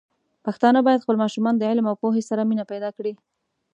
پښتانه بايد خپل ماشومان د علم او پوهې سره مینه پيدا کړي.